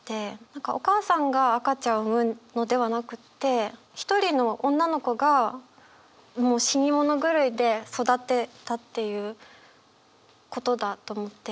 何かお母さんが赤ちゃんを産むのではなくて一人の女の子がもう死に物狂いで育てたっていうことだと思って。